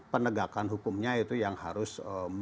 penegakan hukumnya itu yang harus